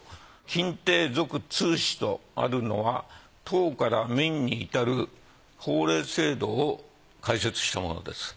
「欽定続通志」とあるのは唐から明にいたる法令制度を解説したものです。